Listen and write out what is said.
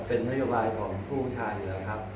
ครับเป็นนโยบายของผู้ชายเวลาครับ